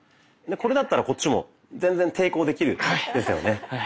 これだったらこっちも全然抵抗できるですよね。